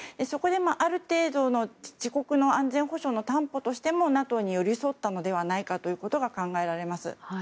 そこで、ある程度の自国の安全保障の担保としてもＮＡＴＯに寄り添ったのではないかということが考えられます。